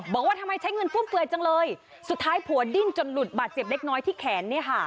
บอกว่าทำไมใช้เงินฟุ่มเฟื่อยจังเลยสุดท้ายผัวดิ้นจนหลุดบาดเจ็บเล็กน้อยที่แขนเนี่ยค่ะ